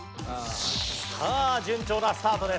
さあ順調なスタートです。